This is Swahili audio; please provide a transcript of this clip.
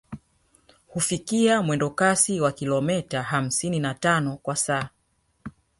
Hufikia mwendokasi wa kilometa hamsini na tano kwa saa